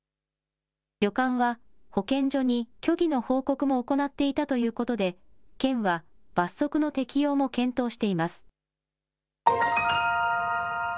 旅館は、保健所に虚偽の報告も行っていたということで、県は罰則の適用も検討しています。